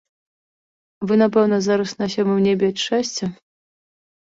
Вы, напэўна, зараз на сёмым небе ад шчасця?